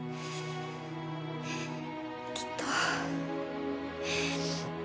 きっと。